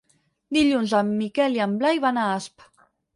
Dilluns en Miquel i en Blai van a Asp.